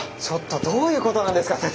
ちょっとどういうことなんですか。